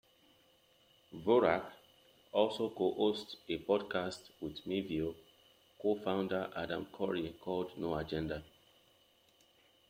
Dvorak also co-hosts a podcast with Mevio co-founder Adam Curry called "No Agenda".